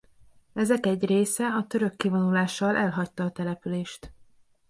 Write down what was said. Ezek egy része a török kivonulással elhagyta a települést.